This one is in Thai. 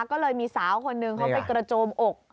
ก็เลยมีสาวคนหนึ่งเขาไปกระโจมอก